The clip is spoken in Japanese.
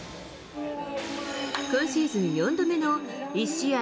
今シーズン４度目の１試合